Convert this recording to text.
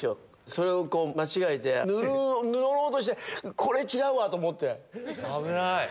それを間違えて塗ろうとしてこれ違うわ！と思って。